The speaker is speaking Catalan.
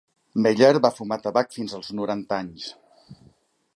Meilleur va fumar tabac fins als noranta anys.